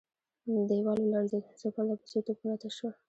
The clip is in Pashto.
دېوال ولړزېد، څو پرله پسې توپونه تش شول.